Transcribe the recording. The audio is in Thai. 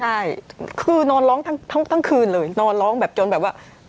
ใช่คือนอนร้องทั้งคืนเลยนอนร้องแบบจนแบบว่า